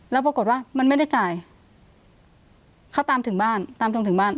แล้วปรากฏว่ามันไม่ได้จ่ายเขาตามถึงบ้านตามตรงถึงบ้าน